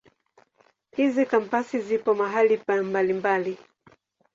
Hizi Kampasi zipo mahali mbalimbali.